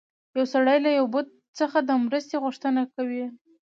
یو سړي له یو بت څخه د مرستې غوښتنه کوله.